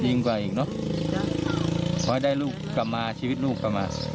จ้ะยิ่งกว่าที่นึงเนอะเป็นให้ได้ลูกกลับมาชีวิตลูกกลับมา